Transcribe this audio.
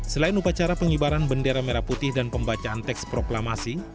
selain upacara pengibaran bendera merah putih dan pembacaan teks proklamasi